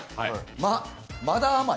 ま、まだ甘い。